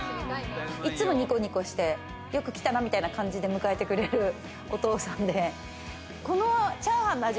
いつもニコニコして、よく来たなみたいな感じで迎えてくれるお父さんで、このチャーハンの味